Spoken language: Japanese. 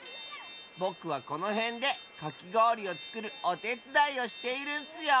ぼくはこのへんでかきごおりをつくるおてつだいをしているッスよ。